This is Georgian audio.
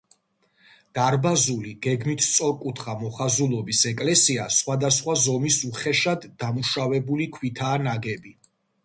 დარბაზული, გეგმით სწორკუთხა მოხაზულობის ეკლესია სხვადასხვა ზომის უხეშად დამუშავებული ქვითაა ნაგები.